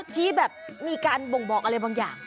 ที่แบบมีการบ่งบอกอะไรบางอย่าง